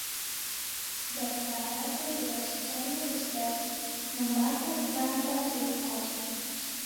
La farado de la Ŝtono estas nomata Granda Verko.